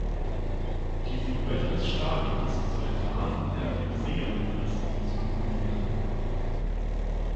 Die Silhouette des Stadions soll Vasen der Joseon-Dynastie symbolisieren.